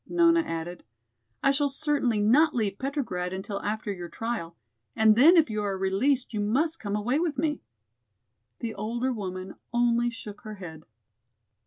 Nona added. "I shall certainly not leave Petrograd until after your trial, and then if you are released you must come away with me." The older woman only shook her head.